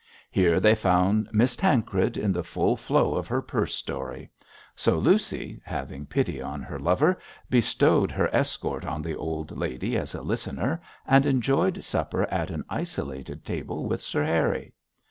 Here they found Miss Tancred in the full flow of her purse story; so Lucy, having pity on her lover, bestowed her escort on the old lady as a listener, and enjoyed supper at an isolated table with Sir Harry.